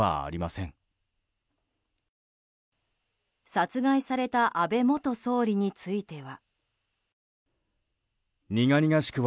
殺害された安倍元総理については。